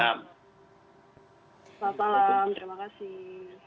salam terima kasih